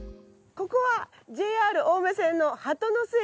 ここはＪＲ青梅線の鳩ノ巣駅。